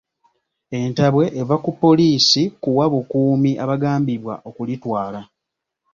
Entabwe eva ku poliisi kuwa bukuumi abagambibwa okulitwala